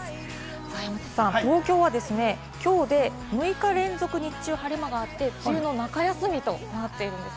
山里さん、東京はですね、きょうで６日連続、日中、晴れ間があって、梅雨の中休みとなっているんです。